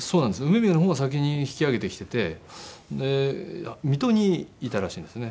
梅宮の方が先に引き揚げてきててで水戸にいたらしいんですね。